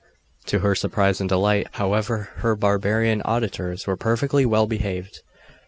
To her surprise and delight, however, her barbarian auditors were perfectly well behaved.